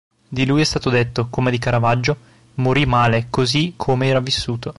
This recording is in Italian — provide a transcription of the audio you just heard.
Di lui è stato detto, come di Caravaggio, "morì male così come era vissuto".